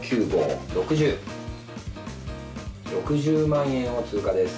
６０万円を通過です。